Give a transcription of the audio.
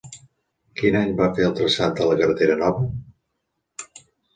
Quin any va fer el traçat de la "carretera nova"?